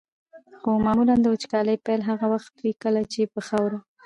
خو معمولا د وچکالۍ پیل هغه وخت وي کله چې په خاوره.